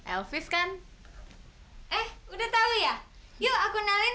elfries kan eh udah tahu ya yuk aku nalin